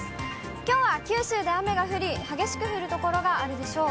きょうは九州で雨が降り、激しく降る所があるでしょう。